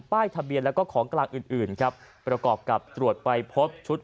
ทะเบียนแล้วก็ของกลางอื่นอื่นครับประกอบกับตรวจไปพบชุด